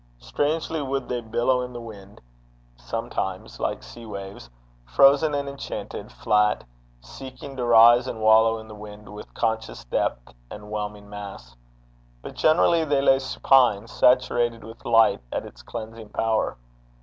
Strangely would they billow in the wind sometimes, like sea waves, frozen and enchanted flat, seeking to rise and wallow in the wind with conscious depth and whelming mass. But generally they lay supine, saturated with light and its cleansing power.